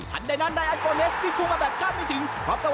ทันใดนั้นได้อัลกอเลสที่พูดมาแบบคราบไม่ถึง